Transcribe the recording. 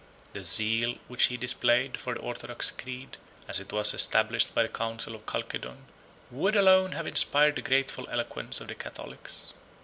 The zeal which he displayed for the orthodox creed, as it was established by the council of Chalcedon, would alone have inspired the grateful eloquence of the Catholics.